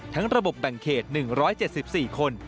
ระบบแบ่งเขต๑๗๔คน